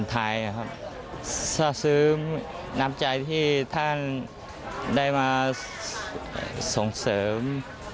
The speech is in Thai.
คนไทยสะซึมน้ำใจที่ท่านได้มาส่งเสริม